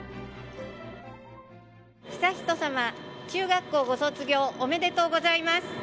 中学校ご卒業おめでとうございます。